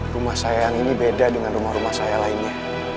rumah saya yang ini beda dengan rumah rumah saya lainnya